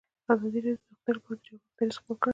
ازادي راډیو د روغتیا لپاره د چارواکو دریځ خپور کړی.